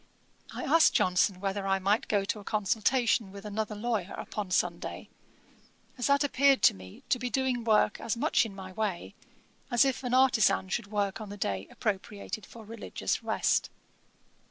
I asked Johnson whether I might go to a consultation with another lawyer upon Sunday, as that appeared to me to be doing work as much in my way, as if an artisan should work on the day appropriated for religious rest.